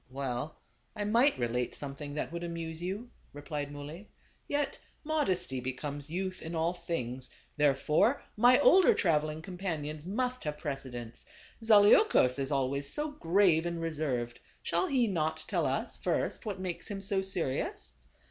" Well, I might relate something that would amuse you," replied Muley, " yet modesty be comes youth in all things, therefore my older traveling companions must have precedence. Zaleukos is always so grave and reserved ; shall he not tell us, first, what makes him so serious